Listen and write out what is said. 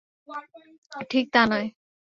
ঠিক তা না।